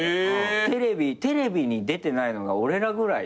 テレビに出てないのが俺らぐらいで。